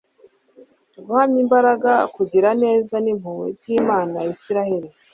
guhamya imbaraga, kugira neza n'impuhwe by'imana ya isirayeli